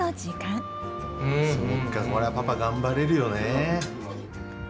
そっかこりゃパパ頑張れるよね。